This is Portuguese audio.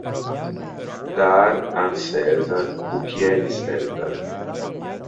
Dar a César o que é de César